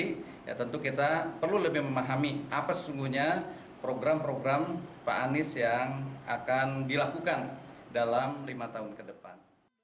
tapi ya tentu kita perlu lebih memahami apa sesungguhnya program program pak anies yang akan dilakukan dalam lima tahun ke depan